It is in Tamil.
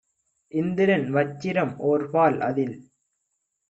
இந்திரன் வச்சிரம் ஓர்பால் - அதில்